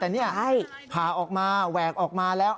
แต่นี่ผ่าออกมาแหวกออกมาแล้ว